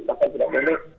maka tidak boleh